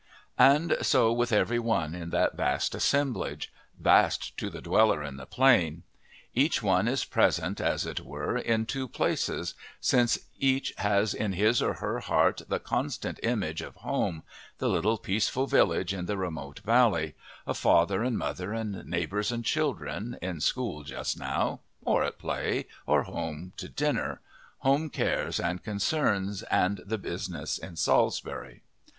And so with every one in that vast assemblage vast to the dweller in the Plain. Each one is present as it were in two places, since each has in his or her heart the constant image of home the little, peaceful village in the remote valley; of father and mother and neighbours and children, in school just now, or at play, or home to dinner home cares and concerns and the business in Salisbury.